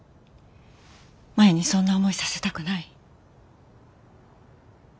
マヤにそんな思いさせたくない。